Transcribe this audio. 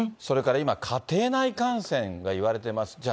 それから今、家庭内感染がいわれています。